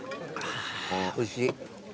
おいしい。